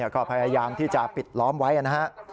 ก็พยายามที่จะปิดล้อมไว้นะฮะ